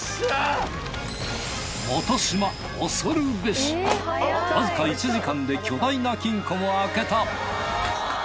わずか１時間で巨大な金庫を開けた！